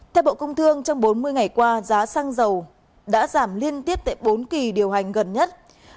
theo bộ công thương trong bốn mươi ngày qua giá xăng dầu đã giảm liên tiếp tại bốn kỳ điều hành gần nhất